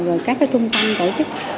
rồi các cái trung tâm tổ chức